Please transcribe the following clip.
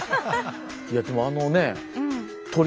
いやでもあのね鳥。